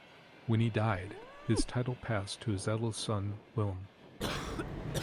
When he died, his title passed to his eldest son Willem.